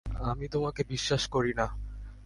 আমি তোমাকে বিশ্বাস করিনা।